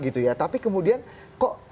gitu ya tapi kemudian kok